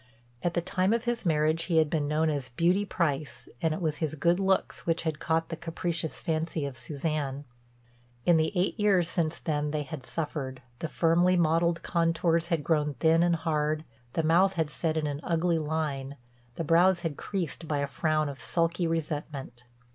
At the time of his marriage he had been known as "Beauty Price" and it was his good looks which had caught the capricious fancy of Suzanne. In the eight years since then they had suffered, the firmly modeled contours had grown thin and hard, the mouth had set in an ugly line, the brows had creased by a frown of sulky resentment.